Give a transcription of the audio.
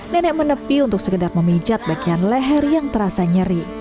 nenek menepi untuk sekedar memijat bagian leher yang terasa nyeri